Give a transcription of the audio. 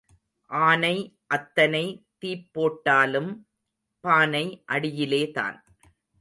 ஆனை அத்தனை தீப்போட்டாலும் பானை அடியிலேதான்.